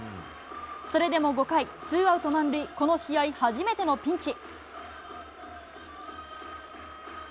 それでも５回、ツーアウト満塁、この試合、初めてのピンチ。